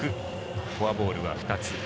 フォアボールは２つ。